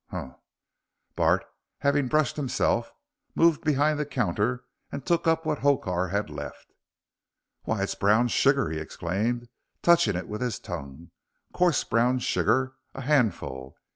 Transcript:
Humph!" Bart, having brushed himself, moved behind the counter and took up what Hokar had left. "Why, it's brown sugar!" he exclaimed, touching it with his tongue, "coarse brown sugar a handful."